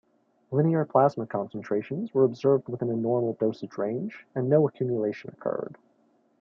Linear plasma concentrations were observed within a normal dosage range and no accumulation occurred.